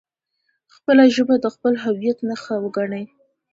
خپله ژبه د خپل هویت نښه وګڼئ.